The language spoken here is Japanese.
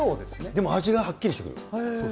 でも味がはっきりしてくる。